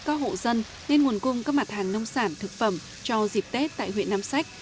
các hộ dân nên nguồn cung các mặt hàng nông sản thực phẩm cho dịp tết tại huyện nam sách